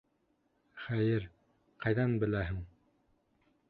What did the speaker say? Хәйер, ҡайҙан беләһең?!